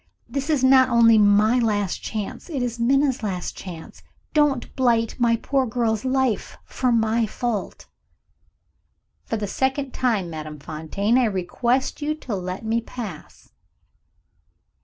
This is not only my last chance; it is Minna's last chance. Don't blight my poor girl's life, for my fault!" "For the second time, Madame Fontaine, I request you to let me pass.